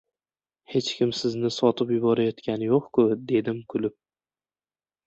— Hech kim sizni sotib yuborayotgani yo‘q-ku, — dedim kulib.